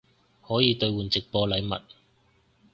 可以兑换直播禮物